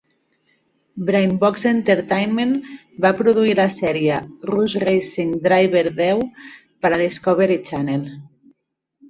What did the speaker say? Brainbox Entertainment va produir la sèrie "Roush Racing: Driver X" per a Discovery Channel.